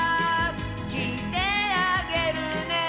「きいてあげるね」